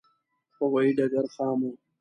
هوایې ډګر خام و.